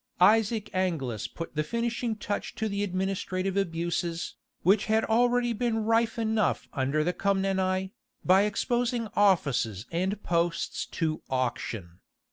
Isaac Angelus put the finishing touch to administrative abuses, which had already been rife enough under the Comneni, by exposing offices and posts to auction.